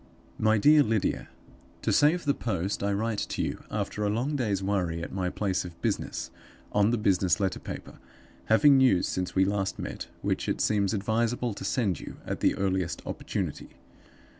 "MY DEAR LYDIA To save the post, I write to you, after a long day's worry at my place of business, on the business letter paper, having news since we last met which it seems advisable to send you at the earliest opportunity.